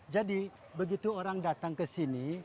jadi begitu orang datang kesini